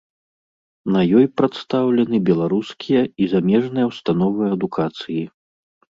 На ёй прадстаўлены беларускія і замежныя ўстановы адукацыі.